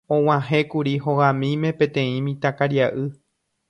Og̃uahẽkuri hogamíme peteĩ mitãkaria'y.